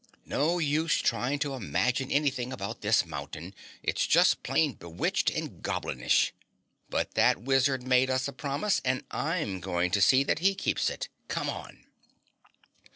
"No use trying to imagine anything about this mountain, it's just plain bewitched and goblinish. But that wizard made us a promise and I'm going to see that he keeps it. Come on!"